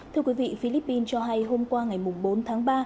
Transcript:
thưa quý vị philippines cho hay hôm qua ngày bốn tháng ba